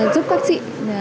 giúp các chị